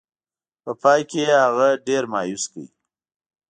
په پای کې یې هغه ډېر مایوس کړ.